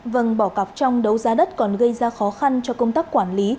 vâng bỏ cọc trong đấu giá đất còn gây ra khó khăn cho công tác quản lý